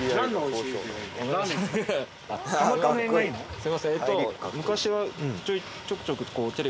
すみません。